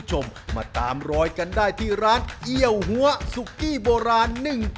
ทำรอยกันได้ที่ร้านเอี่ยวหัวสุกี้โบราณ๑๙๕๕